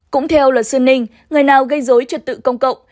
cũng theo luật sư ninh người nào gây dối trật tự công cộng